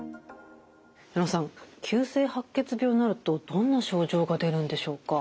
矢野さん急性白血病になるとどんな症状が出るんでしょうか？